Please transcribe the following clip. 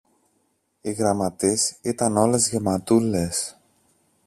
οι γραμματείς ήταν όλες γεματούλες